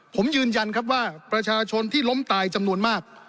ผมยืนยันครับว่าประชาชนที่ล้มตายจำนวนมาก